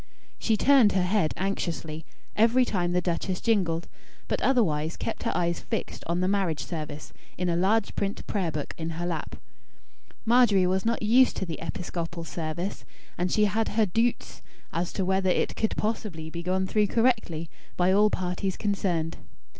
She turned her head anxiously, every time the duchess jingled; but otherwise kept her eyes fixed on the marriage service, in a large print prayer book in her lap. Margery was not used to the Episcopal service, and she had her "doots" as to whether it could possibly be gone through correctly, by all parties concerned.